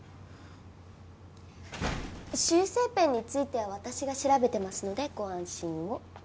修正ペンについては私が調べてますのでご安心を。